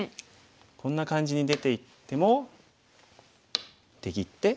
こんな感じに出ていっても出切って。